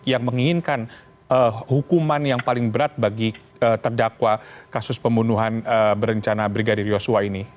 yang menginginkan hukuman yang paling berat bagi terdakwa kasus pembunuhan berencana brigadir yosua ini